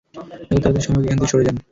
যত তাড়াতাড়ি সম্ভব ওখান থেকে সরে যান।